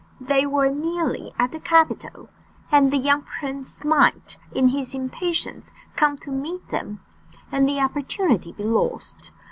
They were nearly at the capital, and the young prince might, in his impatience, come to meet them, and the opportunity be lost.